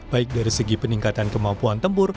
baik dari segi peningkatan kemampuan tempur